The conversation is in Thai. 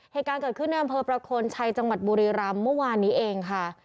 เหตุการณ์เกิดขึ้นในอำเภอประโคนชัยจังหวัดบุรีรำเมื่อวานนี้เองค่ะ